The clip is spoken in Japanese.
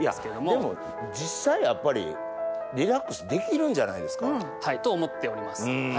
でも実際やっぱりリラックスできるんじゃないですか。と思っております。